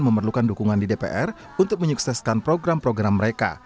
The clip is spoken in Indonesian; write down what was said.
memerlukan dukungan di dpr untuk menyukseskan program program mereka